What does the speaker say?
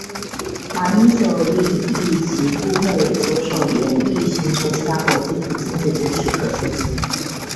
马英九另亦请部会着手研议寻求其他国际途径解决之可行性。